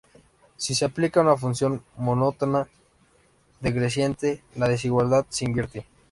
Si se aplica una función monótona decreciente, la desigualdad se invierte.